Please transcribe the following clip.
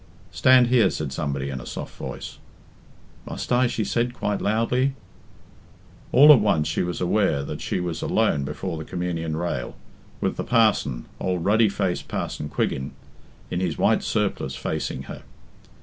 "Stand here," said somebody in a soft voice. "Must I?" she said quite loudly. All at once she was aware that she was alone before the communion rail, with the parson old ruddy faced Parson Quiggin in his white surplice facing her.